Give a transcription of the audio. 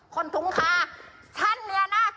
คนทุงค่ะฉันเนี่ยน่ะ